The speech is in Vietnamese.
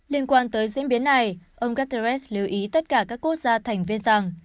liên quan tới diễn biến này ông guterres lưu ý tất cả các quốc gia thành viên rằng